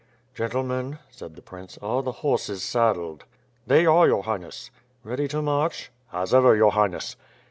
"Gentlemen," said the prince, "are the horses saddled?" "They are, your Highness." "Ready to march?" "As ever, your Highness."